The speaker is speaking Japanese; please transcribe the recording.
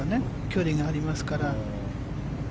距離がありますから。